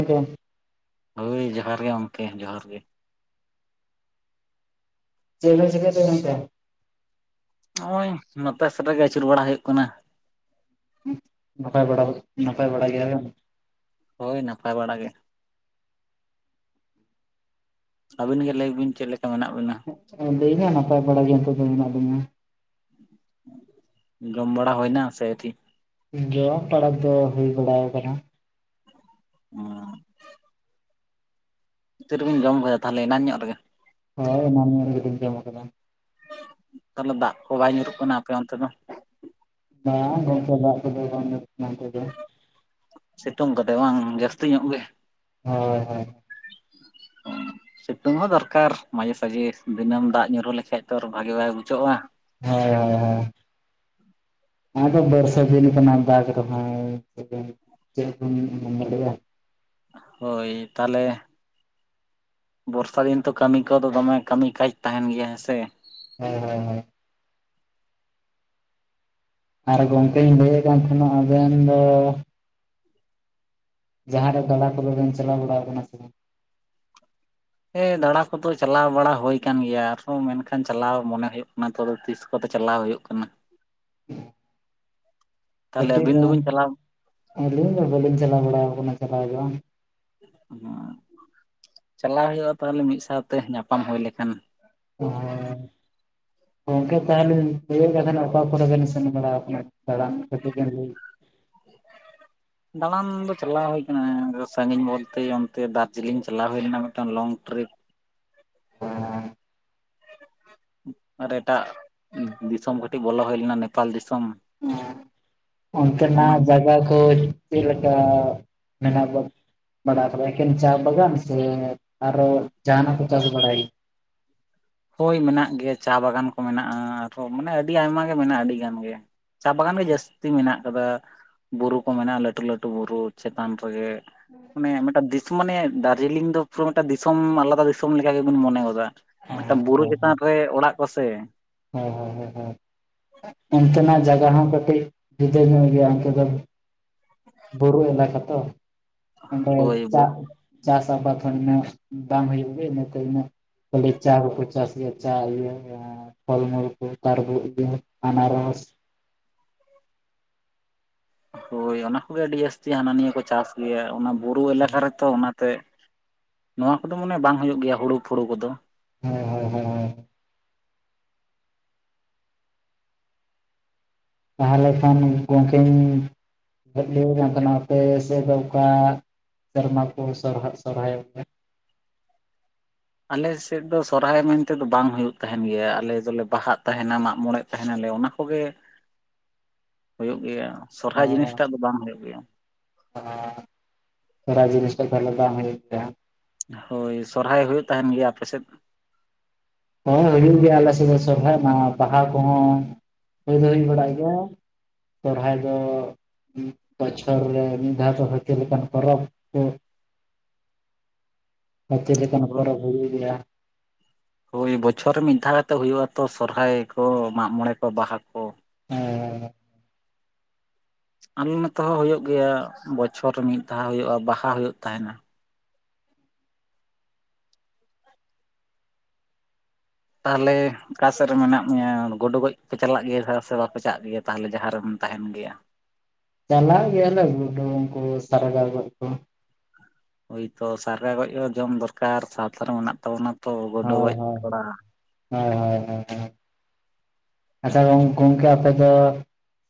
[unintelligible] ᱼᱼ ᱦᱳᱭ ᱡᱚᱦᱟᱨ ᱜᱮ ᱜᱚᱝᱠᱮ ᱡᱚᱦᱟᱨ ᱜᱮ ᱾ ᱪᱮᱫ ᱵᱤᱱ ᱪᱤᱠᱟᱹᱭ ᱫᱟ ᱜᱚᱝᱠᱮ? ᱱᱚᱜᱼᱚᱸᱭ ᱱᱚᱛᱮ ᱥᱮᱫ ᱨᱮᱜᱮ ᱟᱹᱪᱩᱨ ᱵᱟᱲᱟ ᱦᱩᱭᱩᱜ ᱠᱟᱱᱟ᱾ ᱦᱩᱸ ᱱᱟᱯᱟᱭ ᱵᱟᱲᱟ ᱜᱮ, ᱱᱟᱯᱟᱭ ᱵᱟᱲᱟ ᱜᱮᱭᱟ ᱵᱮᱱ? ᱦᱳᱭ ᱱᱟᱯᱟᱭ ᱵᱟᱲᱟ ᱜᱮ᱾ ᱟᱵᱤᱱ ᱜᱮ ᱞᱟᱹᱭ ᱵᱤᱱ ᱪᱮᱫ ᱞᱮᱠᱟ ᱢᱮᱱᱟᱜ ᱵᱤᱱᱟ? ᱟ. ᱞᱤᱧ ᱦᱚᱸ ᱱᱟᱯᱟᱭ ᱵᱟᱲᱟ ᱜᱮ ᱱᱤᱛᱚᱜ ᱫᱚ ᱢᱮᱱᱟᱜ ᱞᱤᱧᱟ᱾ ᱡᱚᱢ ᱵᱟᱲᱟ ᱦᱩᱭᱼᱱᱟ ᱥᱮ ᱟᱹᱣᱨᱤ? ᱡᱚᱢ ᱯᱟᱲᱟ ᱫᱚ ᱦᱩᱭ ᱵᱟᱲᱟᱣ ᱟᱠᱟᱱᱟ᱾ ᱚᱸᱼᱼ ᱛᱤᱨᱮ ᱵᱤᱱ ᱡᱚᱢ ᱠᱮᱫᱟ? ᱛᱟᱦᱚᱞᱮ ᱮᱱᱟᱝ ᱧᱚᱜ ᱨᱮᱜᱮ? ᱦᱳᱭ ᱮᱱᱟᱝ ᱧᱚᱜ ᱨᱮᱜᱮ ᱞᱤᱧ ᱡᱚᱢ ᱟᱠᱟᱫᱟ᱾ ᱛᱟᱦᱚᱞᱮ ᱫᱟᱜ ᱠᱚ ᱵᱟᱭ ᱧᱩᱨᱩᱜ ᱠᱟᱱᱟ ᱟᱯᱮ ᱚᱱᱛᱮ ᱫᱚ? ᱵᱟᱝ ᱜᱚᱢᱠᱮ, ᱫᱟᱜ ᱠᱚ ᱫᱚ ᱵᱟᱝ ᱧᱩᱨᱩᱜ ᱠᱟᱱᱟ ᱱᱚᱱᱛᱮ ᱫᱚ᱾ ᱥᱤᱛᱩᱝ ᱠᱟᱫᱟᱭ ᱵᱟᱝ ᱡᱟᱹᱥᱛᱤ ᱧᱚᱜ ᱜᱮ ᱾ ᱦᱳᱭ ᱦᱳᱭᱼᱼ ᱥᱤᱛᱩᱝ ᱦᱚᱸ ᱫᱚᱨᱠᱟᱨ ᱢᱟᱡᱷᱮ ᱥᱟᱡᱷᱮ ᱾ ᱫᱤᱱᱟᱹᱢ ᱫᱟᱜ ᱧᱩᱨᱩ ᱞᱮᱠᱷᱟᱡ ᱛᱚᱨ ᱵᱷᱟᱜᱮ ᱵᱟᱭ ᱵᱩᱡᱷᱟᱹᱜᱼᱟ᱾ ᱦᱳᱭ ᱦᱳᱭ ᱦᱳᱭᱼᱼ ᱦᱮᱸ ᱟᱫᱚ ᱵᱟᱹᱨᱥᱟ ᱫᱤᱱ ᱠᱟᱱᱟ ᱫᱟᱜ ᱡᱚᱨᱚᱜ ᱟᱭ ᱪᱮᱫ ᱞᱮᱠᱟᱢ ᱧᱩᱢ ᱢᱚᱸᱜᱚ [unintelligible] ᱞᱮᱭᱟ? ᱦᱳᱭ ᱛᱟᱦᱚᱞᱮᱼᱼ ᱵᱚᱨᱥᱟ ᱫᱤᱱ ᱛᱚ ᱠᱟᱹᱢᱤ ᱠᱚᱫᱚ ᱫᱚᱢᱮ ᱠᱟᱹᱢᱤ ᱠᱟᱡ ᱛᱟᱦᱮᱱ ᱜᱮᱭᱟ ᱦᱮᱸ ᱥᱮ? ᱦᱳᱭ ᱦᱳᱭ ᱦᱳᱭᱼᱼ ᱟᱨ ᱜᱚᱝᱠᱮᱧ ᱞᱟᱹᱭᱮᱫ ᱠᱟᱱ ᱛᱟᱦᱮᱱᱟ ᱟᱵᱮᱱ ᱫᱚ? ᱡᱟᱦᱟᱸ ᱨᱮ ᱛᱚᱞᱟ ᱠᱚᱫᱚ ᱵᱮᱱ ᱪᱟᱞᱟᱣ ᱵᱟᱲᱟᱣ ᱠᱟᱱᱟ ᱥᱮ ᱵᱟᱝ? ᱦᱮᱸ ᱫᱟᱬᱟ ᱠᱚᱫᱚ ᱪᱟᱞᱟᱣ ᱵᱟᱲᱟ ᱦᱩᱭ ᱟᱠᱟᱱ ᱜᱮᱭᱟ ᱾ ᱟᱨᱦᱚᱸ ᱢᱮᱱᱠᱷᱟᱱ ᱪᱟᱞᱟᱣ ᱢᱚᱱᱮ ᱦᱩᱭᱩᱜ ᱠᱟᱱᱟ ᱾ ᱛᱚᱵᱮ ᱛᱤᱥ ᱠᱚᱛᱮ ᱪᱟᱞᱟᱣ ᱦᱩᱭᱩᱜ ᱠᱟᱱᱟ᱾ [inaudible] ᱼᱼ [inaudible] ᱠᱟᱹᱴᱤᱡ ᱟᱹᱵᱤᱱ ᱫᱚ ᱫᱚᱵᱤᱱ ᱪᱟᱞᱟᱣ ᱟᱹᱞᱤᱧ ᱫᱚ ᱵᱟᱹᱞᱤᱧ ᱪᱟᱞᱟᱣ ᱵᱟᱲᱟ ᱠᱟᱱᱟ ᱪᱟᱞᱟᱣ ᱫᱚ᱾ ᱩᱸᱻᱪᱟᱞᱟᱣ ᱦᱩᱭᱩᱜᱼᱟ ᱛᱟᱦᱚᱞᱮ ᱢᱤᱫ ᱥᱟᱣᱛᱮ ᱧᱟᱯᱟᱢ ᱦᱩᱭ ᱞᱮᱠᱷᱟᱱ᱾ ᱦᱮᱸᱻ ᱜᱚᱢᱠᱮ ᱛᱟᱦᱚᱞᱮᱧ ᱱᱤᱭᱟᱹ ᱫᱟᱦᱟᱱ ᱚᱠᱟ ᱠᱚᱨᱮ ᱵᱮᱱ ᱥᱮᱱ ᱵᱟᱲᱟᱣ ᱠᱟᱱᱟ? ᱫᱟᱬᱟᱱ ᱠᱟᱛᱮ ᱜᱮᱤ ᱞᱟᱹᱭ ᱫᱟᱬᱟᱱ ᱫᱚ ᱪᱟᱞᱟᱣ ᱦᱩᱭ ᱟᱠᱟᱱᱟᱻ ᱥᱟᱺᱜᱤᱧ ᱵᱚᱞᱛᱮ ᱚᱱᱛᱮ ᱫᱟᱨᱡᱤᱞᱤᱝ ᱪᱟᱞᱟᱣ ᱦᱩᱭ ᱞᱮᱱᱟ ᱢᱤᱫᱴᱟᱝ ᱞᱚᱝ ᱴᱨᱤᱯ᱾ ᱦᱮᱸᱻ ᱟᱨ ᱮᱴᱟᱜ ᱫᱤᱥᱚᱢ ᱠᱟᱹᱴᱤᱡ ᱵᱚᱞᱚ ᱦᱩᱭ ᱞᱮᱱᱟ ᱱᱮᱯᱟᱞ ᱫᱤᱥᱚᱢ᱾ ᱦᱮᱸ, ᱚᱱᱟ ᱚᱱᱛᱮᱱᱟᱜ ᱡᱟᱜᱟ ᱠᱚ ᱪᱮᱫ ᱞᱮᱠᱟ ᱢᱮᱱᱟᱜ ᱫᱚ? ᱵᱟᱰᱟᱭ ᱫᱚᱞᱮ ᱮᱠᱮᱱ ᱪᱟ ᱵᱟᱜᱟᱱ ᱥᱮ ᱟᱨᱚ ᱡᱟᱦᱟᱱᱟᱜ ᱠᱚ ᱪᱟᱥ ᱵᱟᱲᱟᱭ? ᱦᱳᱭ ᱢᱮᱱᱟᱜ ᱜᱮᱭᱟ ᱪᱟ ᱵᱟᱜᱟᱱ ᱠᱚ ᱢᱮᱱᱟᱜᱼᱟᱻ ᱟᱨᱦᱚᱸ ᱢᱟᱱᱮ ᱟᱹᱰᱤ ᱟᱭᱢᱟ ᱜᱮ ᱢᱮᱱᱟᱜᱼᱟ ᱟᱹᱰᱤ ᱜᱟᱱ ᱜᱮ᱾ ᱪᱟ ᱵᱟᱜᱟᱱ ᱜᱮ ᱡᱟᱹᱥᱛᱤ ᱢᱮᱱᱟᱜ ᱠᱟᱫᱟ᱾ ᱵᱩᱨᱩ ᱠᱚ ᱢᱮᱱᱟᱜᱼᱟ ᱞᱟᱹᱴᱩ ᱞᱟᱹᱴᱩ ᱵᱩᱨᱩ ᱪᱮᱛᱟᱱ ᱨᱮᱜᱮ᱾ ᱦᱮᱸ ᱢᱟᱱᱮ ᱢᱤᱫᱴᱟᱜ ᱫᱤᱥᱩ ᱢᱟᱱᱮ ᱫᱟᱨᱡᱤᱞᱤᱝ ᱫᱚ ᱯᱩᱨᱚ ᱢᱤᱫᱴᱟᱜ ᱫᱤᱥᱚᱢ ᱟᱞᱟᱫᱟ ᱫᱤᱥᱚᱢ ᱞᱮᱠᱟ ᱜᱮᱵᱮᱱ ᱢᱚᱱᱮ ᱜᱚᱫᱟ᱾ ᱢᱤᱫᱴᱟᱝ ᱵᱩᱨᱩ ᱪᱮᱛᱟᱱ ᱨᱮ ᱚᱲᱟᱜ ᱠᱚᱥᱮ᱾ ᱦᱚᱭ ᱦᱚᱭ ᱦᱚᱭ ᱦᱚᱭ ᱚᱱᱛᱮᱱᱟᱜ ᱡᱟᱜᱟ ᱠᱟᱹᱴᱤᱡ ᱡᱩᱫᱟᱹ ᱧᱚᱜ ᱜᱮᱭᱟ ᱚᱱᱛᱮ ᱫᱚ ᱵᱩᱨᱩ ᱮᱞᱟᱠᱟ ᱛᱚ᱾ ᱚᱸᱰᱮ ᱦᱳᱭ ᱪᱟ ᱵᱩᱨᱩ ᱪᱟᱥ ᱟᱵᱟᱫ ᱦᱚᱸ ᱩᱱᱟᱹᱜ ᱵᱟᱝ ᱦᱩᱭᱩᱜ ᱜᱮ ᱤᱱᱟᱹᱛᱮ ᱤᱱᱟᱹᱜ ᱠᱷᱟᱹᱞᱤ ᱪᱟ ᱠᱚᱠᱚ ᱪᱟᱥ ᱜᱮᱭᱟ ᱪᱟ ᱤᱭᱟᱹ ᱯᱷᱚᱞ ᱢᱩᱞᱠᱩ ᱛᱟᱨᱯᱚᱨ ᱤᱭᱟᱹ ᱟᱱᱟᱨᱚᱥ ᱦᱳᱭ ᱚᱱᱟ ᱠᱚᱜᱮ ᱟᱹᱰᱤ ᱡᱟᱹᱥᱛᱤ ᱦᱟᱱᱟ ᱱᱤᱭᱟᱹ ᱠᱚ ᱪᱟᱥ ᱜᱮᱭᱟ ᱚᱱᱟ ᱵᱩᱨᱩ ᱮᱞᱟᱠᱟ ᱨᱮᱛᱚ ᱚᱱᱟ ᱛᱮᱜ, ᱱᱚᱣᱟ ᱠᱚᱫᱚ ᱢᱟᱱᱮ ᱵᱟᱝ ᱦᱩᱭᱩᱜ ᱜᱮᱭᱟ ᱦᱩᱲᱩ ᱯᱷᱩᱲᱩ ᱠᱚᱫᱚ᱾ ᱦᱚᱭ ᱦᱚᱭ ᱦᱚᱭ ᱦᱚᱭ᱾ ᱛᱟᱦᱮᱞᱮ ᱠᱷᱟᱱ ᱜᱚᱝᱠᱮᱧᱻ ᱦᱩᱜᱞᱤ ᱨᱮᱱ ᱠᱟᱱᱟᱯᱮ ᱟᱯᱮᱥᱮᱜ ᱫᱚ ᱚᱠᱟ ᱥᱮᱨᱢᱟ ᱠᱚ ᱥᱚᱨ ᱥᱚᱨᱦᱟᱭᱚᱜᱼᱟ? ᱟᱞᱮᱥᱮᱫ ᱫᱚ ᱥᱚᱨᱦᱟᱭ ᱢᱮᱱᱛᱮᱫᱚ ᱵᱟᱝ ᱦᱩᱭᱩᱜ ᱛᱟᱦᱮᱱ ᱜᱮᱭᱟ, ᱟᱞᱮ ᱫᱚᱞᱮ ᱵᱟᱦᱟᱜ ᱛᱟᱦᱮᱱᱟ ᱢᱟᱜᱢᱚᱬᱮᱜ ᱛᱟᱦᱮᱸ ᱱᱟᱞᱮ ᱚᱱᱟ ᱠᱚᱜᱮᱼᱼ [inaudible] ᱦᱩᱭᱩᱜ ᱜᱮᱭᱟ ᱥᱚᱨᱦᱟᱭ ᱡᱤᱱᱤᱥᱴᱟᱜ ᱫᱚ ᱵᱟᱝ ᱦᱩᱭᱩᱜ ᱜᱮᱭᱟ᱾ ᱥᱚᱨᱦᱟᱭ ᱡᱤᱱᱤᱥᱴᱟᱜ ᱫᱚ ᱵᱟᱝ ᱦᱩᱭᱩᱜ ᱜᱮᱭᱟ᱾ ᱦᱳᱭ ᱥᱚᱨᱦᱟᱭ ᱦᱩᱭᱩᱜ ᱛᱟᱦᱮᱱ ᱜᱮᱭᱟ ᱟᱯᱮᱥᱮᱫ? ᱦᱳᱭ ᱦᱩᱭᱩᱜ ᱜᱮᱭᱟ ᱟᱞᱮ ᱥᱮᱫ ᱫᱚ ᱥᱚᱨᱦᱟᱭ ᱚᱱᱟ ᱵᱟᱦᱟ ᱠᱚᱦᱚᱸ ᱦᱩᱭ ᱫᱚ ᱦᱩᱭ ᱵᱟᱲᱟᱜ ᱜᱮᱭᱟ᱾ ᱥᱚᱨᱦᱟᱭ ᱫᱚᱻ ᱵᱚᱪᱷᱚᱨ ᱨᱮ ᱢᱤᱫ ᱫᱷᱟᱣ ᱛᱚ ᱦᱟᱹᱛᱤ ᱞᱮᱠᱟᱱ ᱯᱚᱨᱚᱵᱽ ᱥᱮ ᱦᱟᱹᱛᱤ ᱞᱮᱠᱟᱱ ᱯᱚᱨᱚᱵᱽ ᱦᱩᱲᱩ ᱜᱮᱭᱟ ᱦᱳᱭ ᱵᱚᱪᱷᱚᱨ ᱨᱮ ᱢᱤᱫ ᱫᱷᱟᱣ ᱠᱟᱛᱮ ᱦᱩᱭᱩᱜᱼᱟ ᱛᱚ ᱥᱚᱨᱦᱟᱭ ᱠᱚ, ᱢᱟᱜ ᱢᱚᱬᱮ ᱠᱚ, ᱵᱟᱦᱟ ᱠᱚ ᱦᱩᱹᱻ ᱟᱞᱮ ᱱᱚᱛᱮ ᱦᱚ ᱦᱩᱭᱩᱜ ᱜᱮᱭᱟ ᱵᱚᱪᱷᱚᱨ ᱨᱮ ᱢᱤᱫ ᱫᱷᱟᱣ ᱦᱩᱭᱩᱜᱼᱟ ᱵᱟᱦᱟ ᱦᱩᱭᱩᱜ ᱛᱟᱦᱮᱱᱟ᱾ ᱛᱟᱦᱚᱞᱮᱻ ᱚᱠᱟ ᱥᱮᱫ ᱨᱮ ᱢᱮᱱᱟᱜ ᱢᱮᱭᱟ ᱜᱳᱰᱳ ᱜᱚᱡ ᱯᱮ ᱪᱟᱞᱟᱜ ᱜᱮᱭᱟ ᱥᱮ ᱵᱟᱯᱮ ᱪᱟᱜ ᱜᱮᱭᱟ? ᱛᱟᱦᱚᱞᱮ ᱡᱟᱦᱟᱸ ᱨᱮᱢ ᱛᱟᱦᱮᱱ ᱜᱮᱭᱟ? ᱪᱟᱞᱟᱜ ᱜᱮᱭᱟᱞᱮ ᱜᱩᱰᱩ ᱩᱝᱠᱩ ᱥᱟᱨᱜᱟᱣ ᱜᱚᱡ ᱠᱚ᱾ ᱦᱳᱭᱛᱚ ᱥᱟᱨᱮ ᱜᱚᱡ ᱠᱚ ᱡᱚᱢ ᱫᱚᱨᱠᱟᱨ ᱥᱟᱶᱛᱟ ᱨᱮ ᱢᱮᱱᱟᱜ ᱛᱟᱵᱚᱱᱟ᱾ ᱛᱚ ᱜᱩᱰᱩ ᱦᱳᱭ ᱜᱚᱡ ᱦᱳᱭ, ᱛᱷᱚᱲᱟ ᱦᱳᱭ ᱦᱳᱭ ᱦᱮᱸ ᱦᱮᱸ ᱟᱪᱪᱷᱟ ᱜᱚᱝᱠᱮ ᱚᱱᱠᱟ ᱟᱯᱮ ᱫᱚ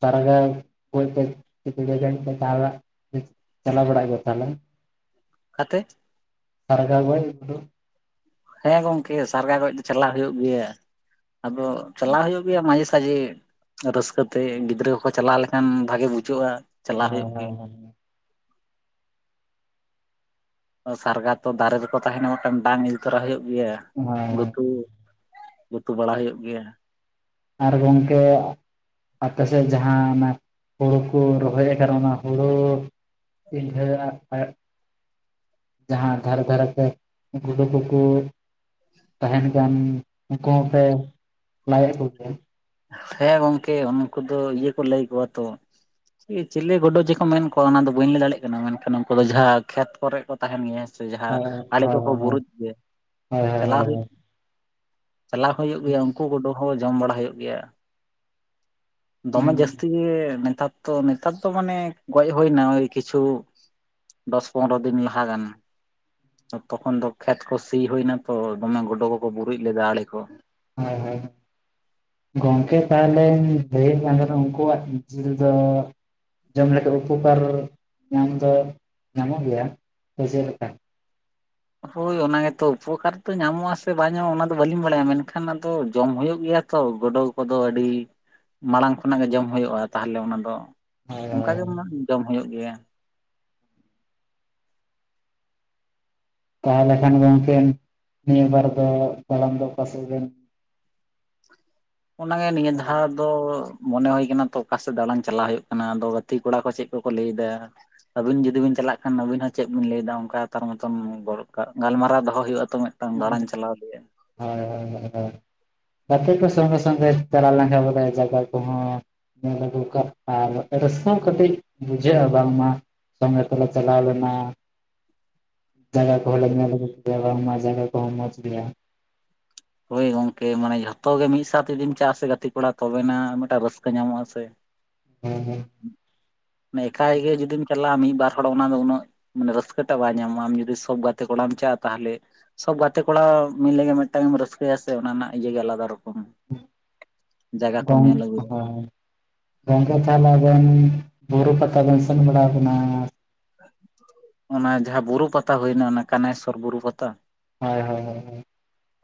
ᱛᱟᱨᱜᱟᱣ ᱜᱚᱡ ᱯᱮ ᱪᱟᱞᱟᱣ ᱵᱟᱲᱟᱜ ᱜᱮᱭᱟ ᱛᱟᱦᱞᱮ? ᱟᱠᱟ ᱛᱮ? ᱥᱟᱨᱜᱟ ᱜᱚᱡᱽ ᱜᱩᱰᱩ ᱦᱮᱸ ᱜᱚᱝᱠᱮ ᱥᱟᱨᱜᱟ ᱜᱚᱡ ᱫᱚ ᱪᱟᱞᱟᱜ ᱦᱩᱭᱩᱜ ᱜᱮᱭᱟ᱾ ᱟᱫᱚ ᱪᱟᱞᱟᱜ ᱦᱩᱭᱩᱜ ᱜᱮᱭᱟ ᱢᱟᱡᱷᱮ ᱥᱟᱡᱷᱮ ᱨᱟᱹᱥᱠᱟᱹ ᱛᱮ ᱜᱤᱫᱽᱨᱟᱹ ᱠᱚᱠᱚ ᱪᱟᱞᱟᱣ ᱞᱮᱠᱷᱟᱱ ᱵᱷᱟᱜᱮ ᱵᱩᱡᱷᱟᱹᱜ-ᱟ᱾ ᱚ ᱦᱮᱸ ᱦᱮᱸ ᱥᱟᱨᱜᱟ ᱛᱚ ᱫᱟᱨᱮ ᱨᱮᱠᱚ ᱛᱟᱦᱮᱱᱟ ᱢᱤᱫᱴᱟᱝ ᱰᱟᱝ ᱤᱫᱤ ᱛᱚᱨᱟ ᱦᱩᱭᱩᱜ ᱜᱮᱭᱟ ᱦᱳᱭ ᱜᱩᱛᱩ ᱜᱩᱛᱩ ᱵᱟᱲᱟ ᱦᱩᱭᱩᱜ ᱜᱮᱭᱟ᱾ ᱟᱨ ᱜᱚᱝᱠᱮ ᱟᱯᱮ ᱥᱮᱫ ᱡᱟᱦᱟᱸ ᱚᱱᱟ ᱦᱩᱲᱩ ᱠᱩ ᱨᱚᱦᱚᱭ ᱟᱠᱟᱫᱟ ᱚᱱᱟ ᱦᱩᱲᱩ [unintelligible] ᱡᱟᱦᱟᱸ ᱫᱷᱟᱨᱮ ᱫᱷᱟᱨᱮ ᱛᱮ ᱜᱩᱰᱩ ᱠᱩ ᱠᱩ ᱛᱟᱦᱮᱱ ᱠᱟᱱ ᱩᱝᱠᱩ ᱦᱚᱸᱯᱮ ᱞᱟᱭᱮᱫ ᱠᱚᱜᱮᱭᱟ? ᱦᱮᱸ ᱜᱚᱝᱠᱮ ᱩᱱᱠᱩ ᱫᱚ ᱤᱭᱟᱹ ᱠᱚ ᱞᱟᱹᱭ ᱠᱚᱣᱟ ᱛᱚ, ᱤ ᱪᱤᱞᱤ ᱜᱳᱰᱳ ᱡᱮᱠᱚ ᱢᱮᱱ ᱠᱚᱣᱟ ᱚᱱᱟ ᱫᱚ ᱵᱟᱹᱧ ᱞᱟᱹᱭ ᱫᱟᱲᱮᱜ ᱠᱟᱱᱟ ᱢᱮᱱᱠᱷᱟᱱ ᱩᱱᱠᱩ ᱫᱚ ᱡᱟᱦᱟᱸ ᱠᱷᱮᱛ ᱠᱚᱨᱮ ᱠᱚ ᱛᱟᱦᱮᱱ ᱜᱮᱭᱟ ᱦᱮᱸᱥᱮ ᱡᱟᱦᱟᱸ ᱦᱳᱭ ᱟᱲᱮ ᱦᱳᱭ ᱠᱚᱠᱚ ᱵᱩᱨᱩᱡ ᱜᱮᱭᱟ, ᱦᱳᱭ ᱦᱳᱭ ᱪᱟᱞᱟᱣ ᱦᱳᱭ ᱦᱩᱭᱩᱜ ᱪᱟᱞᱟᱣ ᱦᱩᱭᱩᱜ ᱜᱮᱭᱟ ᱩᱱᱠᱩ ᱜᱩᱰᱩ ᱦᱚᱸ ᱡᱚᱢ ᱵᱟᱲᱟ ᱦᱩᱭᱩᱜ ᱜᱮᱭᱟ᱾ ᱫᱚᱢᱮ ᱦᱳᱭ ᱡᱟᱹᱥᱛᱤ ᱜᱮ ᱱᱮᱛᱟᱨ ᱫᱚ, ᱱᱮᱛᱟᱨ ᱫᱚ ᱢᱟᱱᱮ ᱜᱚᱡ ᱦᱩᱭᱱᱟ ᱳᱭ ᱠᱤᱪᱷᱩ ᱫᱚᱥ ᱯᱚᱱᱨᱚ ᱫᱤᱱ ᱞᱟᱦᱟ ᱜᱟᱱ᱾ ᱛᱚᱠᱷᱚᱱ ᱫᱚ ᱠᱷᱮᱛ ᱠᱚ ᱥᱤ ᱦᱩᱭ ᱱᱟ ᱛᱚ ᱫᱚᱢᱮ ᱜᱩᱰᱩ ᱠᱚᱠᱚ ᱵᱩᱨᱩᱡ ᱞᱮᱫᱟ ᱟᱲᱮ ᱠᱚ᱾ ᱦᱳᱭ ᱦᱳᱭ ᱜᱚᱝᱠᱮ ᱛᱟᱦᱚᱞᱮᱧ ᱞᱟᱹᱭᱮᱜ ᱠᱟᱱ ᱛᱮᱦᱚᱱᱟ ᱩᱱᱠᱩᱣᱟᱜ ᱡᱤᱞ ᱫᱚ ᱡᱚᱢ ᱞᱮᱠᱷᱟᱱ ᱩᱯᱚᱠᱟᱨ ᱧᱟᱢ ᱫᱚ ᱧᱟᱢᱚᱜ ᱜᱮᱭᱟ ᱛᱚ ᱪᱮᱜ ᱞᱮᱠᱟ? ᱦᱳᱭ ᱚᱱᱟ ᱜᱮᱛᱚ ᱩᱯᱚᱠᱟᱨ ᱛᱚ ᱧᱟᱢᱚᱜ-ᱟ ᱥᱮ ᱵᱟᱝ ᱧᱟᱢᱚᱜ-ᱟ ᱚᱱᱟ ᱫᱚ ᱵᱟᱹᱞᱤᱧ ᱵᱟᱲᱟᱭᱟ ᱢᱮᱱᱠᱷᱟᱱ ᱟᱫᱚ ᱡᱚᱢ ᱦᱩᱭᱩᱜ ᱜᱮᱭᱟ, ᱛᱚ ᱜᱳᱰᱳ ᱠᱚᱫᱚ ᱟᱹᱰᱤ ᱢᱟᱲᱟᱝ ᱠᱷᱚᱱᱟᱜ ᱜᱮ ᱡᱚᱢ ᱦᱳᱭᱳᱜ-ᱟ, ᱛᱟᱦᱞᱮ ᱚᱱᱟ ᱫᱚ ᱦᱳᱭ ᱚᱝᱠᱟ ᱦᱳᱭ ᱜᱮ ᱡᱚᱢ ᱦᱩᱭᱩᱜ ᱜᱮᱭᱟ᱾ ᱛᱟᱦᱚᱞᱮ ᱠᱷᱟᱱ ᱜᱚᱝᱠᱮ ᱱᱤᱭᱟᱹ ᱵᱟᱨ ᱫᱚ ᱛᱟᱲᱟᱢ ᱫᱚ ᱚᱠᱟ ᱥᱮᱫ ᱵᱮᱱ ᱚᱱᱟᱜᱮ ᱱᱤᱭᱟᱹ ᱪᱟᱞᱟᱜᱼᱟ ᱫᱷᱟᱣ ᱫᱚ ᱢᱚᱱᱮ ᱦᱩᱭ ᱠᱟᱱᱟ ᱛᱚ ᱚᱠᱟ ᱥᱮᱫ ᱫᱟᱬᱟᱱ ᱪᱟᱞᱟᱜ ᱦᱩᱭᱩᱜ ᱠᱟᱱᱟ ᱟᱫᱚ ᱜᱟᱛᱮ ᱠᱚᱲᱟ ᱠᱚ ᱪᱮᱫ ᱠᱚ ᱠᱚ ᱞᱟᱹᱭᱫᱟ, ᱟᱹᱵᱤᱱ ᱡᱩᱫᱤ ᱵᱤᱱ ᱪᱟᱞᱟᱜ ᱠᱷᱟᱱ ᱟᱹᱵᱤᱱ ᱦᱚᱸ ᱪᱮᱫ ᱵᱤᱱ ᱞᱟᱹᱭᱫᱟ ᱚᱱᱠᱟ ᱛᱟᱨ ᱢᱚᱛᱚᱱ ᱜᱟᱞᱢᱟᱨᱟᱣ ᱫᱚᱦᱚ ᱦᱩᱭᱩᱜ-ᱟ ᱛᱚ ᱴᱟᱱ ᱫᱟᱬᱟᱱ ᱪᱟᱞᱟᱣ ᱨᱮᱭᱟᱜ᱾ ᱦᱳᱭ ᱦᱳᱭ ᱜᱟᱛᱮ ᱠᱚ ᱥᱚᱸᱜᱮ ᱥᱚᱸᱜᱮ ᱪᱟᱞᱟᱣ ᱞᱮᱝᱠᱷᱟ ᱵᱚᱞᱮ ᱡᱟᱜᱟ ᱠᱚᱦᱚᱸ ᱧᱮᱞ ᱫᱚ ᱫᱚᱨᱠᱟᱨ ᱟᱨ ᱨᱟᱹᱥᱠᱟᱹ ᱦᱚᱸ ᱠᱟᱹᱴᱤᱡ ᱵᱩᱡᱷᱟᱹᱜ-ᱟ ᱵᱟᱝᱢᱟ ᱥᱚᱸᱜᱮ ᱛᱮᱞᱮ ᱪᱟᱞᱟᱣ ᱞᱮᱱᱟ᱾ ᱡᱟᱜᱟ ᱠᱚᱸᱦᱚᱸᱞᱮ ᱧᱮᱞ ᱟᱹᱜᱩ ᱠᱮᱫᱟ ᱵᱟᱝ ᱢᱟ ᱡᱟᱜᱟ ᱠᱚᱸᱦᱚ ᱢᱚᱡᱽ ᱜᱮᱭᱟ᱾ ᱦᱳᱭ ᱜᱚᱝᱠᱮ ᱢᱟᱱᱮ ᱡᱷᱚᱛᱚ ᱜᱮ ᱢᱤᱫ ᱥᱟᱶᱛᱮ ᱡᱩᱫᱤᱢ ᱪᱟᱜ ᱟ ᱥᱮ ᱜᱟᱛᱮ ᱠᱚᱲᱟ ᱛᱚᱵᱮᱱᱟᱜ ᱢᱤᱫᱴᱟᱝ ᱨᱟᱹᱥᱠᱟᱹ ᱧᱟᱢᱚᱜ ᱟ ᱥᱮ᱾ ᱦᱮᱸ ᱦᱮᱸ ᱱᱮ ᱮᱠᱷᱟᱭ ᱜᱮ ᱡᱩᱫᱤᱢ ᱪᱟᱞᱟᱜ-ᱟ ᱢᱤᱜ ᱵᱟᱨ ᱦᱚᱲ ᱚᱱᱟ ᱫᱚ ᱩᱱᱟᱹᱜ ᱢᱟᱱᱮ ᱨᱟᱹᱥᱠᱟᱹ ᱴᱟᱜ ᱵᱟᱝ ᱧᱟᱢᱚᱜ-ᱟ ᱟᱢ ᱡᱩᱫᱤ ᱥᱚᱵ ᱜᱟᱛᱮ ᱠᱚᱲᱟᱢ ᱪᱟᱜ-ᱟ ᱛᱟᱦᱞᱮ ᱥᱚᱵ ᱜᱟᱛᱮ ᱠᱚᱲᱟ ᱢᱤᱞᱮ ᱜᱮ ᱢᱮᱜᱴᱟᱝ ᱮᱢ ᱨᱟᱹᱥᱠᱟᱹᱭᱟ ᱥᱮ ᱚᱱᱟ ᱨᱮᱱᱟᱜ ᱤᱭᱟᱹ ᱜᱮ ᱟᱞᱟᱫᱟ ᱨᱚᱠᱚᱢ᱾ ᱡᱟᱭᱜᱟ ᱠᱚᱢ ᱜᱝ ᱧᱮᱞ ᱟᱹᱜᱩᱭᱟ ᱦᱳᱭ ᱜᱚᱝᱠᱮ ᱛᱟᱦᱞᱮ ᱟᱵᱮᱱ ᱵᱩᱨᱩ ᱯᱟᱛᱟ ᱵᱮᱱ ᱥᱮᱱ ᱵᱟᱲᱟᱣ ᱠᱟᱱᱟ? ᱚᱱᱟ ᱡᱟᱦᱟᱸ ᱵᱩᱨᱩ ᱯᱟᱛᱟ ᱦᱩᱭᱱᱟ ᱚᱱᱟ ᱠᱟᱱᱮᱥᱥᱚᱨ ᱵᱩᱨᱩ ᱯᱟᱛᱟ᱾ ᱦᱚᱭ ᱦᱚᱭ ᱦᱚᱭ ᱦᱚᱭ᱾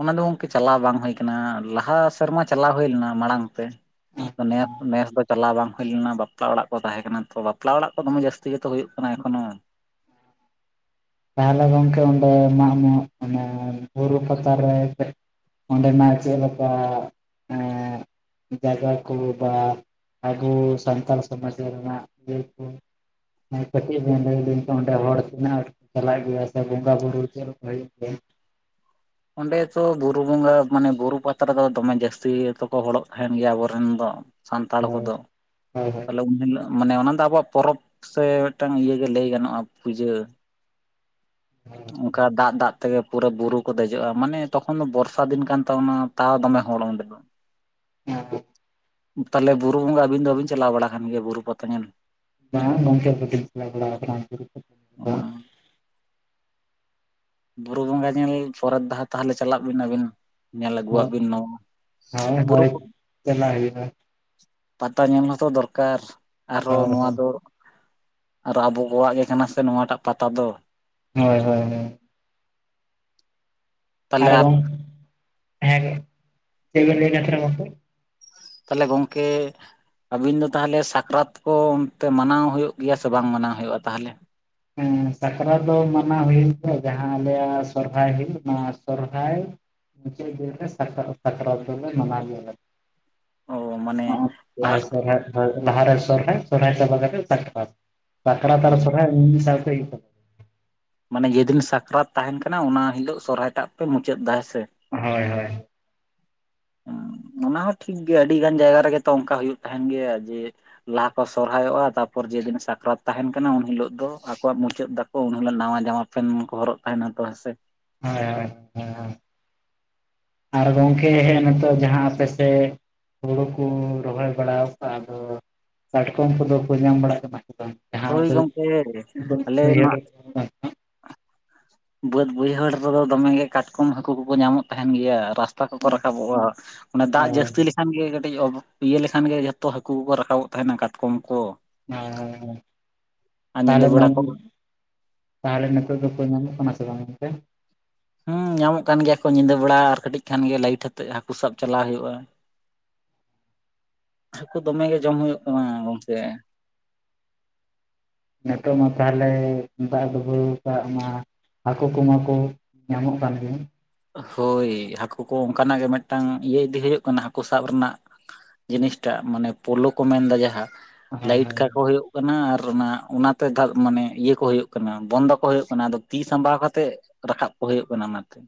ᱚᱱᱟ ᱫᱚ ᱜᱚᱝᱠᱮ ᱪᱟᱞᱟᱣ ᱵᱟᱝ ᱦᱩᱭ ᱠᱟᱱᱟ, ᱞᱟᱦᱟ ᱥᱮᱨᱢᱟ ᱪᱟᱞᱟᱣ ᱦᱩᱭ ᱞᱮᱱᱟ ᱢᱟᱲᱟᱝ ᱛᱮ᱾ ᱫᱚ ᱱᱮᱥ ᱱᱮᱥ ᱫᱚ ᱪᱟᱞᱟᱣ ᱵᱟᱝ ᱦᱩᱭ ᱞᱮᱱᱟ ᱵᱟᱯᱞᱟ ᱚᱲᱟᱜ ᱠᱚ ᱛᱟᱦᱮᱸ ᱠᱟᱱᱟ ᱛᱚ ᱵᱟᱯᱞᱟ ᱚᱲᱟᱜ ᱠᱚ ᱫᱚᱢᱮ ᱡᱟᱹᱥᱛᱤ ᱜᱮᱛᱚ ᱦᱩᱭᱩᱜ ᱠᱟᱱᱟ ᱮᱠᱷᱚᱱᱳ᱾ ᱛᱟᱦᱞᱮ ᱜᱚᱢᱠᱮ ᱚᱸᱰᱮ ᱢᱟᱜ ᱢᱟᱜ ᱢᱟᱱᱮ ᱵᱩᱨᱩ ᱯᱟᱛᱟ ᱨᱮ ᱪᱮᱜ, ᱚᱸᱰᱮ ᱱᱟᱜ ᱪᱮᱜ ᱞᱮᱠᱟ ᱮᱸ ᱡᱟᱭᱜᱟ ᱠᱚ ᱵᱟ ᱟᱵᱚ ᱥᱟᱱᱛᱟᱬ ᱥᱚᱢᱟᱡᱽ ᱨᱮᱱᱟᱜ ᱤᱭᱟᱹ ᱠᱚ, ᱱᱮ ᱯᱟᱴᱤ ᱵᱚᱱᱫᱚᱭ ᱞᱟᱹᱜᱤᱫ ᱛᱮ ᱚᱱᱰᱮ ᱦᱚᱲ ᱛᱤᱱᱟᱹᱜ ᱪᱟᱞᱟᱜ ᱜᱮᱭᱟ ᱥᱮ ᱵᱚᱸᱜᱟ ᱵᱩᱨᱩ ᱪᱮᱫ ᱞᱮᱠᱟ ᱦᱩᱭᱩᱜ ᱜᱮᱭᱟ? ᱚᱸᱰᱮ ᱛᱚ ᱵᱩᱨᱩ ᱵᱚᱸᱜᱟ ᱢᱟᱱᱮ ᱵᱩᱨᱩ ᱯᱟᱛᱟ ᱨᱮᱫᱚ ᱫᱚᱢᱮ ᱡᱟᱹᱥᱛᱤ ᱫᱚᱠᱚ ᱦᱚᱲᱚᱜ ᱛᱟᱦᱮᱱ ᱜᱮᱭᱟ ᱟᱵᱚᱨᱮᱱ ᱫᱚ᱾ ᱥᱟᱱᱛᱟᱲ ᱦᱳᱭ ᱠᱚᱫᱚ ᱦᱳᱭ ᱦᱳᱭ ᱛᱟᱦᱞᱮ ᱩᱱᱦᱤᱞᱳᱜ, ᱢᱟᱱᱮ ᱚᱱᱟ ᱫᱚ ᱟᱵᱚᱣᱟᱜ ᱯᱚᱨᱚᱵᱽ ᱥᱮ ᱢᱤᱫᱴᱟᱝ ᱤᱭᱟᱹᱜᱮ ᱞᱟᱹᱭ ᱜᱟᱱᱚᱜᱼᱟ ᱯᱩᱡᱟᱹ᱾ ᱚᱸᱠᱟ ᱫᱟᱜ ᱫᱟᱜ ᱛᱮᱜᱮ ᱯᱩᱨᱟᱹ ᱵᱩᱨᱩ, ᱠᱚ ᱫᱮᱡᱚᱜᱼᱟ ᱢᱟᱱᱮ ᱛᱚᱠᱷᱚᱱ ᱫᱚ ᱵᱚᱨᱥᱟ ᱫᱤᱱ ᱠᱟᱱ ᱛᱟᱵᱚᱱᱟ ᱛᱟᱣ ᱫᱚᱢᱮ ᱦᱚᱲ ᱚᱸᱰᱮ ᱫᱚ᱾ [inaudible] ᱛᱟᱞᱦᱮ ᱵᱩᱨᱩ ᱵᱚᱸᱜᱟ ᱟᱹᱵᱤᱱ ᱫᱚ ᱵᱟᱵᱤᱱ ᱪᱟᱞᱟᱣ ᱵᱟᱲᱟ ᱠᱟᱱ ᱜᱮᱭᱟ ᱵᱩᱨᱩ ᱯᱟᱛᱟ ᱧᱮᱞ? ᱵᱟᱝ ᱜᱚᱝᱠᱮ ᱟᱰᱤ ᱫᱤᱱ ᱪᱟᱞᱟᱣ ᱵᱟᱲᱟᱣ ᱟᱠᱟᱱᱟ [inaudible] ᱵᱩᱨᱩ ᱵᱚᱸᱜᱟ ᱧᱮᱞ ᱯᱚᱨᱮ ᱫᱷᱟᱣ ᱛᱟᱦᱞᱮ ᱪᱟᱞᱟᱜ ᱵᱤᱱ ᱟᱵᱤᱱ᱾ ᱧᱮᱞ ᱟᱹᱜᱩᱣᱟᱜ ᱦᱳᱭ ᱵᱤᱱ ᱱᱚᱣᱟ ᱵᱩᱨᱩ ᱠᱚᱼᱼ ᱫᱟᱞᱟᱜ ᱦᱩᱭᱩᱜᱼᱟ᱾ ᱯᱟᱛᱟ ᱧᱮᱞ ᱦᱚᱸᱛᱚ ᱫᱚᱨᱠᱟᱨ ᱟᱨᱦᱚᱸ ᱦᱳᱭ ᱱᱚᱣᱟ ᱦᱳᱭ ᱫᱚᱼᱼ ᱟᱨ ᱟᱵᱚ ᱠᱚᱣᱟᱜ ᱜᱮ ᱠᱟᱱᱟ ᱥᱮ ᱱᱚᱣᱟᱴᱟᱜ ᱯᱟᱛᱟ ᱫᱚ᱾ ᱦᱳᱭ ᱦᱳᱭ ᱦᱳᱭ᱾ ᱛᱟᱦᱚᱞᱮ ᱟᱨ ᱜᱚᱝ ᱦᱮᱸ ᱜᱮ, ᱪᱮᱫ ᱵᱤᱱ ᱞᱟᱹᱭ ᱧᱟ ᱛᱟᱦᱮ ᱜᱚᱝᱠᱮ? ᱛᱟᱞᱦᱮ ᱜᱚᱝᱠᱮᱼᱼ ᱟᱹᱵᱤᱱ ᱫᱚ ᱛᱟᱦᱞᱮ ᱥᱟᱠᱨᱟᱛ ᱠᱚ ᱚᱱᱛᱮ ᱢᱟᱱᱟᱣ ᱦᱩᱭᱩᱜ ᱜᱮᱭᱟ ᱥᱮ ᱵᱟᱝ ᱢᱟᱱᱟᱣ ᱦᱩᱭᱩᱜᱼᱟ ᱛᱟᱦᱞᱮ? ᱦᱮᱸ ᱥᱟᱠᱨᱟᱛ ᱫᱚ ᱢᱟᱱᱟᱣ ᱦᱩᱭᱮᱱ ᱜᱮᱭᱟ ᱡᱟᱦᱟᱸ ᱟᱞᱮᱭᱟᱜ ᱥᱚᱨᱦᱟᱭ ᱦᱩᱭᱩᱜ ᱱᱟ ᱥᱚᱨᱦᱟᱭ ᱢᱩᱪᱟᱹᱫᱽ ᱫᱤᱱ ᱨᱮ ᱥᱟᱠᱨᱟᱛ ᱥᱟᱠᱨᱟᱛ ᱫᱚᱞᱮ ᱢᱟᱱᱟᱣ ᱜᱮᱭᱟ ᱞᱮ ᱾ ᱚ ᱢᱟᱱᱮ ᱞᱟᱦᱟᱼᱼ ᱥᱚᱨᱦᱟᱭ ᱦᱳᱭ ᱞᱟᱦᱟᱨᱮ ᱥᱚᱨᱦᱟᱭ, ᱥᱚᱨᱦᱟᱭ ᱪᱟᱵᱟ ᱠᱟᱛᱮᱜ ᱥᱟᱠᱨᱟᱛ, ᱥᱟᱠᱨᱟᱛ ᱟᱨ ᱥᱚᱨᱦᱟᱭ ᱢᱤ ᱢᱤᱜ ᱥᱟᱣᱛᱮ ᱦᱩᱭᱩᱜ ᱛᱟᱯᱼᱼ ᱢᱟᱱᱮ ᱡᱮᱫᱤᱱ ᱥᱟᱠᱨᱟᱛ ᱛᱟᱦᱮᱱ ᱠᱟᱱᱟ ᱚᱱᱟ ᱦᱤᱞᱳᱜ ᱥᱚᱦᱨᱟᱭ ᱴᱟᱜ ᱯᱮ ᱢᱩᱪᱟᱹᱫ ᱫᱟ ᱦᱮᱸ ᱥᱮ? ᱦᱳᱭ ᱦᱳᱭ᱾ ᱚᱸ ᱚᱱᱟ ᱦᱚᱸ ᱴᱷᱤᱠ ᱜᱮᱭᱟ ᱟᱹᱰᱤ ᱜᱟᱱ ᱡᱟᱭᱜᱟ ᱨᱮᱜᱮ ᱛᱚ ᱚᱱᱠᱟ ᱦᱩᱭᱩᱜ ᱛᱟᱦᱮᱱ ᱜᱮᱭᱟ ᱡᱮᱼᱼ ᱞᱟᱦᱟ ᱠᱚ ᱥᱚᱨᱦᱟᱭᱚᱜᱼᱟ ᱛᱟᱨᱯᱚᱨ ᱡᱮᱫᱤᱱ ᱥᱟᱠᱨᱟᱛ ᱛᱟᱦᱮᱱ ᱠᱟᱱᱟ ᱩᱱᱦᱤᱞᱚᱜ ᱫᱚ ᱟᱠᱚᱣᱟᱜ ᱢᱩᱪᱟᱹᱫ ᱫᱟ᱾ ᱠᱚ ᱩᱱ ᱦᱤᱞᱳᱜ ᱱᱟᱣᱟ ᱡᱟᱢᱟ ᱯᱮᱱ ᱠᱚ ᱦᱚᱨᱚᱜ ᱛᱟᱦᱮᱱᱟ ᱛᱚ ᱦᱮᱸ ᱥᱮ? ᱦᱳᱭ ᱦᱳᱭ ᱦᱳᱭ ᱦᱳᱭ᱾ ᱟᱨ ᱜᱚᱝᱠᱮ ᱦᱮᱜᱼᱮ ᱱᱤᱛᱚᱜ ᱡᱟᱦᱟᱸ ᱟᱯᱮ ᱥᱮᱼᱼ ᱦᱳᱲᱳ ᱠᱩ ᱨᱚᱦᱚᱭ ᱵᱟᱲᱟᱣ ᱠᱟᱜ ᱟᱫᱚ ᱠᱟᱴᱠᱚᱢ ᱠᱚᱫᱚ ᱠᱚ ᱧᱟᱢ ᱵᱟᱲᱟᱜ ᱠᱟᱱᱟ ᱥᱮ ᱵᱟᱝ? ᱡᱟᱦᱟᱸ ᱦᱳᱭ ᱯᱟᱹᱭᱤᱯ ᱜᱚᱝᱠᱮ ᱟᱞᱮ [inaudible] ᱵᱟᱹᱭᱦᱟᱹᱲ ᱢᱟ ᱨᱮᱠᱚ ᱛᱟᱦ ᱵᱟᱹᱫᱽ ᱵᱟᱹᱭᱦᱟᱹᱲ ᱨᱮᱫᱚ ᱫᱚᱢᱮ ᱜᱮ ᱠᱟᱴᱠᱚᱢ ᱦᱟᱹᱠᱩ ᱠᱚᱠᱚ ᱧᱟᱢᱚᱜ ᱛᱟᱦᱮᱱ ᱜᱮᱭᱟ ᱨᱟᱥᱼᱼ ᱛᱟ ᱠᱚᱠᱚ ᱨᱟᱠᱟᱵᱚᱜᱼᱟ, ᱚᱱᱮ ᱫᱟᱜ ᱦᱳᱭ ᱦᱳᱭ ᱡᱟᱹᱥᱛᱤ ᱞᱮᱠᱷᱟᱱ ᱜᱮ ᱠᱟᱹᱴᱤᱡ ᱚᱵᱽᱼᱼ ᱤᱭᱟᱹ ᱞᱮᱠᱷᱟᱱ ᱜᱮ ᱡᱚᱛᱚ ᱦᱟᱹᱠᱩ ᱠᱚᱠᱚ ᱨᱟᱠᱟᱵᱚᱜ ᱛᱟᱦᱮᱱᱟ ᱠᱟᱛᱠᱚᱢ ᱠᱚ᱾ ᱦᱚᱭ ᱦᱚᱭ ᱦᱚᱭ ᱟᱨ ᱧᱤᱫᱟᱹ ᱛᱟᱦᱞᱮ ᱵᱮᱲᱟ ᱠᱚ ᱢᱮᱱᱼᱼ ᱛᱟᱦᱞᱮ ᱱᱤᱛᱚᱜ ᱫᱚᱠᱚ ᱧᱟᱢᱚᱜ ᱠᱟᱱᱟ ᱥᱮ ᱵᱟᱝ ᱚᱱᱛᱮ? ᱦᱩᱸ ᱧᱟᱢᱚᱜ ᱠᱟᱱ ᱜᱮᱭᱟ ᱠᱚ ᱧᱤᱫᱟᱹ ᱵᱮᱲᱟ ᱟᱨ ᱠᱟᱹᱴᱤᱡ ᱠᱷᱟᱱ ᱜᱮ ᱞᱟᱭᱤᱴ ᱟᱛᱮᱜ ᱦᱟᱠᱩ ᱥᱟᱵᱽ ᱪᱟᱞᱟᱜ ᱦᱩᱭᱩᱜᱼᱟ᱾ ᱟᱱ ᱼᱤᱱᱴᱮᱞᱤᱡᱤᱵᱮᱞ ᱦᱟᱹᱠᱩ ᱫᱚᱢᱮ ᱜᱮ ᱡᱚᱢ ᱦᱩᱭᱩᱜ ᱠᱟᱱᱟ ᱜᱚᱝᱠᱮ᱾ ᱱᱤᱛᱚᱜ ᱢᱟ ᱛᱟᱦᱚᱞᱮᱭ ᱫᱟᱜ ᱰᱩᱵᱟᱹᱣ ᱠᱟᱜ ᱢᱟ᱾ ᱦᱟᱹᱠᱩ ᱠᱚ ᱢᱟᱠᱚ ᱧᱟᱢᱚᱜ ᱠᱟᱱ ᱜᱮ᱾ ᱦᱳᱭ ᱦᱟᱹᱠᱩ ᱠᱚ ᱚᱝᱠᱟᱱᱟᱜ ᱜᱮ ᱢᱤᱫᱴᱟᱝ ᱤᱭᱟᱹ ᱤᱫᱤ ᱦᱩᱭᱩᱜ ᱠᱟᱱᱟ ᱦᱟᱹᱠᱩ ᱥᱟᱵ ᱨᱮᱱᱟᱜ ᱡᱤᱱᱤᱥ ᱴᱟᱜ ᱢᱟᱱᱮ ᱯᱳᱞᱳ ᱠᱚ ᱢᱮᱱᱫᱟ ᱡᱟᱦᱟᱸ, ᱦᱳᱭ ᱦᱳᱭ ᱞᱟᱭᱤᱴ ᱠᱟᱠᱚ ᱦᱩᱭᱩᱜ ᱠᱟᱱᱟ ᱟᱨ ᱚᱱᱟ ᱚᱱᱟᱛᱮ ᱫᱟᱞ ᱢᱟᱱᱮ ᱤᱭᱟᱹ ᱠᱚ ᱦᱩᱭᱩᱜ ᱠᱟᱱᱟ ᱵᱚᱱᱫᱚ ᱠᱚ ᱦᱩᱭᱩᱜ ᱠᱟᱱᱟ ᱟᱫᱚ ᱛᱤ ᱥᱟᱢᱵᱟᱣ ᱠᱟᱛᱮᱜ ᱨᱟᱠᱟᱵᱽ ᱠᱚ ᱦᱩᱭᱩᱜ ᱠᱟᱱᱟ ᱚᱱᱟᱛᱮ᱾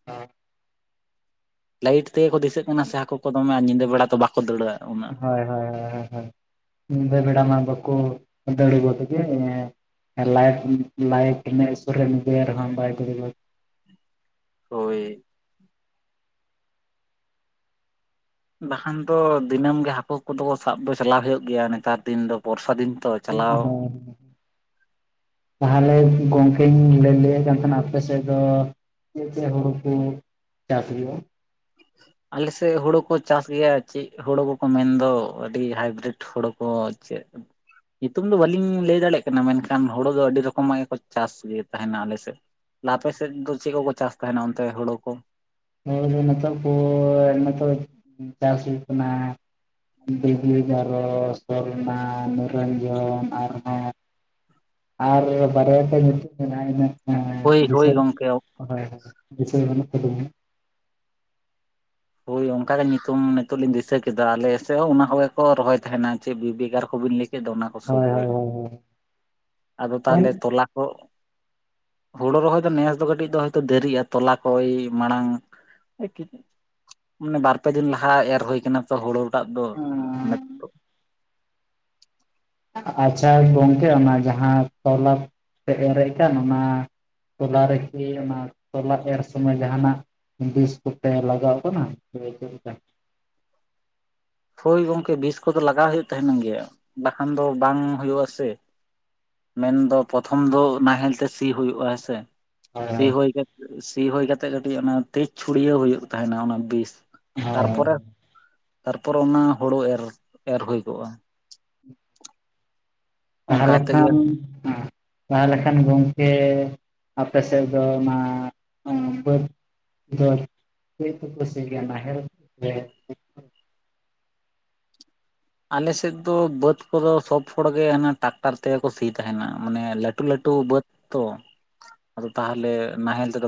[inaudible] ᱞᱟᱭᱤᱴ ᱛᱮᱜᱮ ᱠᱚ ᱫᱤᱥᱟᱹᱜ ᱠᱟᱱᱟ ᱥᱮ ᱦᱟᱹᱠᱩ ᱠᱚ ᱫᱚᱢᱮ ᱟᱨ ᱧᱤᱫᱟᱹ ᱵᱮᱲᱟ ᱛᱚ ᱵᱟᱠᱚ ᱫᱟᱹᱲᱟ᱾ ᱩᱱᱟᱹᱜ ᱦᱳᱭ ᱫᱚ ᱦᱳᱭ ᱦᱳᱭ ᱦᱳᱭ ᱦᱳᱭ, ᱧᱤᱫᱟᱹ ᱵᱮᱲᱟ ᱢᱟ ᱵᱟᱠᱚ ᱫᱟᱹᱲ ᱜᱚᱫᱽ ᱜᱮ ᱢᱟᱱᱮ ᱞᱟᱭᱤᱴ ᱞᱟᱭᱤᱴ ᱩᱱᱤᱭᱟᱜ ᱥᱩᱨ ᱨᱮᱢ ᱤᱫᱤᱭᱟᱭ ᱨᱮᱦᱚᱸ ᱵᱟᱭ ᱫᱟᱹᱲ [inaudible] ᱦᱳᱭ᱾ ᱵᱟᱠᱷᱟᱱ ᱫᱚ ᱫᱤᱱᱟᱹᱢ ᱜᱮ ᱦᱟᱹᱠᱩ ᱠᱚᱫᱚ ᱠᱚ ᱥᱟᱵ ᱫᱚ ᱪᱟᱞᱟᱣ ᱦᱩᱭᱩᱜ ᱜᱮᱭᱟ ᱱᱮᱛᱟᱨ ᱫᱤᱱ ᱫᱚ ᱵᱚᱨᱥᱟ ᱫᱤᱱ ᱛᱚ᱾ ᱪᱟᱞᱟᱣ [inaudible] ᱛᱟᱦᱚᱞᱮ ᱜᱚᱝᱠᱮᱧ ᱞᱟᱹᱭ ᱞᱟᱹᱭᱮᱜ ᱠᱟᱱ ᱛᱟᱦᱮᱱᱟ ᱟᱯᱮ ᱥᱮᱫ ᱫᱚ ᱪᱮᱫ ᱪᱮᱫ ᱦᱩᱲᱩ [inaudible] ᱪᱟᱥ ᱜᱮᱭᱟ? ᱟᱞᱮ ᱥᱮᱫ ᱦᱳᱲᱳ ᱠᱚ ᱪᱟᱥ ᱜᱮᱭᱟ ᱪᱮᱫ ᱦᱩᱲᱩ ᱠᱚᱠᱚ ᱢᱮᱱᱫᱚ ᱟᱹᱰᱤ ᱦᱟᱭᱵᱨᱤᱰ ᱦᱳᱲᱳ ᱠᱚ ᱪᱮᱫ, ᱧᱩᱛᱩᱢ ᱫᱚ ᱵᱟᱹᱞᱤᱧ ᱞᱟᱹᱭ ᱫᱟᱲᱮᱭᱟᱜ ᱠᱟᱱᱟ ᱢᱮᱱᱠᱷᱟᱱ ᱦᱳᱲᱳ ᱫᱚ ᱟᱹᱰᱤ ᱨᱚᱠᱚᱢᱟᱜ ᱜᱮᱠᱚ ᱪᱟᱥ ᱜᱮ ᱛᱟᱦᱮᱸᱱᱟ ᱟᱞᱮ ᱥᱮᱫ᱾ ᱟᱯᱮ ᱥᱮᱫ ᱫᱚ ᱪᱮᱫ ᱠᱚᱠᱚ ᱪᱟᱥ ᱛᱟᱦᱮᱸᱱᱟ ᱚᱱᱛᱮ ᱦᱳᱲᱳ ᱠᱚ? [inaudible] ᱱᱚᱛᱮ [inaudible] ᱪᱟᱥ ᱦᱩᱭᱩᱜ ᱠᱟᱱᱟ [inaudible] ᱥᱚᱨᱱᱟ, ᱱᱤᱨᱚᱧᱡᱚᱱ, ᱟᱨ [inaudible] ᱟᱨ ᱵᱟᱨᱭᱟ ᱯᱮᱭᱟ ᱧᱩᱛᱩᱢ ᱢᱮᱱᱟᱜ-ᱟ ᱤᱱᱟᱹ ᱦᱳᱭ ᱫᱤᱥᱟᱹ ᱦᱳᱭ ᱜᱚᱝᱠᱮ᱾ ᱦᱳᱭ ᱦᱚᱭ ᱫᱤᱥᱟᱹ ᱵᱟᱹᱱᱩᱜ ᱛᱟᱹᱞᱤᱧᱟ᱾ ᱦᱳᱭ ᱚᱝᱠᱟ ᱜᱮ ᱧᱩᱛᱩᱢ ᱱᱤᱛᱚᱜ ᱞᱤᱧ ᱫᱤᱥᱟᱹ ᱠᱮᱫᱟ ᱟᱞᱮ ᱥᱮᱫ ᱦᱚᱸ ᱚᱱᱟ ᱠᱚᱜᱮ ᱠᱚ ᱨᱚᱦᱚᱭ ᱛᱟᱦᱮᱸᱱᱟ ᱪᱮᱫ ᱵᱤᱵᱤ ᱮᱜᱟᱨᱚ ᱠᱚᱵᱤᱱ ᱞᱟᱹᱭ ᱠᱮᱫ ᱫᱚ ᱚᱱᱟ ᱠᱚ ᱥᱚᱵ ᱜᱮ᱾ [inaudible] ᱟᱫᱚ ᱛᱟᱦᱚᱞᱮ ᱦᱳᱭ ᱛᱚᱞᱟ ᱠᱚ ᱦᱳᱲᱳ ᱨᱚᱦᱚᱭ ᱫᱚ ᱱᱮᱥ ᱫᱚ ᱠᱟᱹᱴᱤᱡ ᱫᱚ ᱦᱚᱭᱛᱚ ᱫᱮᱨᱤᱭᱟᱜ ᱛᱚᱞᱟ ᱠᱚ ᱳᱭ ᱢᱟᱲᱟᱝ [inaudible] ᱢᱟᱱᱮ ᱵᱟᱨᱯᱮ ᱫᱤᱱ ᱞᱟᱦᱟ ᱮᱨ ᱦᱩᱭ ᱠᱟᱱᱟ ᱛᱚ ᱦᱳᱲᱳ᱾ ᱫᱟᱜ ᱫᱚ ᱮᱱ ᱱᱮᱛᱚᱜ ᱟᱪᱪᱷᱟ ᱜᱚᱝᱠᱮ ᱚᱱᱟ ᱡᱟᱦᱟᱸ ᱛᱚᱞᱟ ᱠᱚ ᱯᱮ ᱮᱨᱮᱜ ᱠᱟᱱ ᱚᱱᱟ ᱛᱚᱞᱟ ᱨᱮᱠᱤ ᱚᱱᱟ ᱛᱚᱞᱟ ᱮᱨ ᱥᱚᱢᱚᱭ ᱡᱟᱦᱟᱸᱱᱟᱜ ᱵᱤᱥ ᱠᱚᱯᱮ ᱞᱟᱜᱟᱣ ᱛᱟᱦᱮᱸᱱᱟ ᱥᱮ ᱪᱮᱫ ᱞᱮᱠᱟ? ᱦᱳᱭ ᱜᱚᱝᱠᱮ ᱵᱤᱥ ᱠᱚᱫᱚ ᱞᱟᱜᱟᱣ ᱦᱩᱭᱩᱜ ᱛᱟᱦᱮᱸᱱ ᱜᱮᱭᱟ, ᱵᱟᱠᱷᱟᱱ ᱫᱚ ᱵᱟᱝ ᱦᱩᱭᱩᱜᱼᱟ ᱥᱮ᱾ ᱢᱮᱱ ᱫᱚ ᱯᱨᱚᱛᱷᱚᱢ ᱫᱚ ᱱᱟᱦᱮᱞ ᱛᱮ ᱥᱤ ᱦᱩᱭᱩᱜᱼᱟ ᱦᱮᱸ ᱥᱮ᱾ ᱦᱳᱭ ᱥᱤ ᱦᱳᱭ ᱦᱩᱭ ᱠᱟᱛᱮ ᱥᱤ ᱦᱩᱭ ᱠᱟᱛᱮ ᱠᱟᱹᱴᱤᱡ ᱚᱱᱟ ᱛᱮᱡᱽ ᱪᱷᱩᱲᱭᱟᱹᱣ ᱦᱩᱭᱩᱜ ᱛᱟᱦᱮᱸᱱᱟ ᱚᱱᱟ ᱵᱤᱥ᱾ ᱛᱟᱨᱯᱚᱨᱮ ᱦᱳᱭ ᱛᱟᱨᱯᱚᱨᱮ ᱚᱱᱟ ᱦᱳᱰᱳ ᱮᱨ, ᱮᱨ ᱦᱩᱭ ᱠᱚᱜᱼᱟ᱾ ᱚᱱᱠᱟ ᱛᱟᱦᱚᱞᱮ ᱠᱟᱛᱮᱜ ᱜᱮ ᱠᱷᱟᱱ [inaudible] ᱛᱟᱦᱚᱞᱮ ᱠᱷᱟᱱ ᱜᱚᱝᱠᱮ ᱟᱯᱮ ᱥᱮᱫ ᱫᱚ ᱚᱱᱟ ᱵᱟᱹᱫᱽ [inaudible] ᱪᱮᱫ ᱛᱮᱯᱮ ᱥᱤ ᱜᱮᱭᱟ ᱱᱟᱦᱮᱞ [inaudible] ᱟᱞᱮ ᱥᱮᱫ ᱫᱚ ᱵᱟᱹᱫᱽ ᱠᱚᱫᱚ ᱥᱚᱵᱽ ᱦᱚᱲ ᱜᱮ ᱦᱟᱱᱟ ᱴᱟᱠᱴᱟᱨ ᱛᱮ ᱜᱮ ᱠᱚ ᱥᱤᱻ ᱛᱟᱦᱮᱸᱱᱟ, ᱢᱟᱱᱮ ᱞᱟᱹᱴᱩ-ᱞᱟᱹᱴᱩ ᱵᱟᱹᱫᱽ ᱛᱚ ᱟᱫᱚ ᱛᱟᱦᱚᱞᱮ ᱱᱟᱦᱮᱞ ᱛᱮᱫᱚ